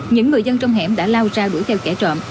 những người dân trong hẻm đã lao ra đuổi theo kẻ trộm